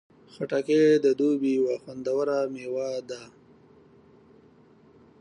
خټکی د دوبی یو خوندور میوه ده.